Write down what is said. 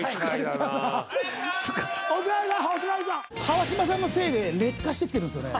川島さんのせいで劣化してきてるんすよね。